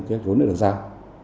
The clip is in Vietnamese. kế hoạch vốn đã được giao